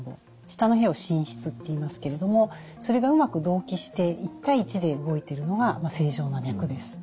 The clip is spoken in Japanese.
下の部屋を心室っていいますけれどもそれがうまく同期して１対１で動いているのが正常な脈です。